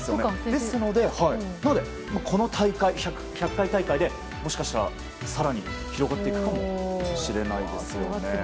ですので、この１００回大会でもしかしたら更に広がっていくかもしれないですね。